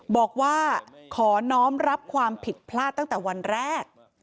บอกว่าขอน้องรับความผิดพลาดตั้งแต่วันแรก